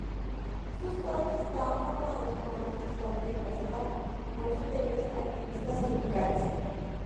Sus cuadros estaban formados por homosexuales de clase baja, muchos de ellos activistas sindicales.